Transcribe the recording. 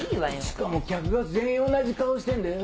しかも客が全員同じ顔してんだよ。